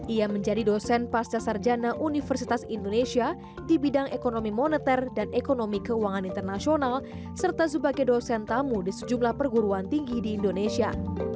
ia menjadi dosen pasca sarjana universitas indonesia di bidang ekonomi moneter dan ekonomi keuangan internasional serta sebagai dosen tamu di sejumlah perguruan tinggi di indonesia